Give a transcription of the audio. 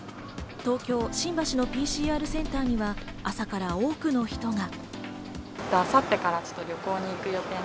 東京・新橋のＰＣＲ検査センターには朝から多くの人が。